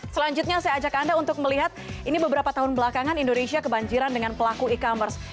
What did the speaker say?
selanjutnya saya ajak anda untuk melihat ini beberapa tahun belakangan indonesia kebanjiran dengan pelaku e commerce